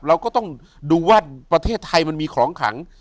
เราก็ต้องดูว่าประเทศไทยมันมีของขัง